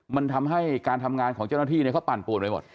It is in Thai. มันทำให้การทำงานของเจ้าหน้าที่เขาปั่นป่วนไปหมด